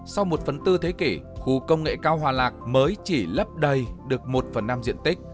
sau một phần tư thế kỷ khu công nghệ cao hòa lạc mới chỉ lấp đầy được một phần năm diện tích